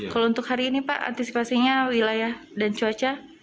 kalau untuk hari ini pak antisipasinya wilayah dan cuaca